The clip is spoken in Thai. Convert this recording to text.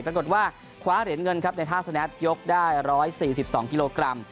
ปรากฏว่าคว้าเหรียญเงินครับในท่าสแนทยกได้๑๔๒กิโลกรัม